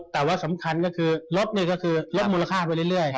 แต่ว่าสำคัญก็คือรถนี่ก็คือลดมูลค่าไปเรื่อย